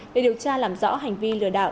để điều tra làm rõ hành vi lừa đảo